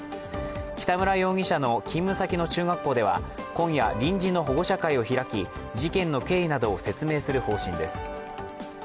北村容疑者の勤務先の中学校では今夜、臨時の保護者会を開き、事件の経緯などを説明する方針です。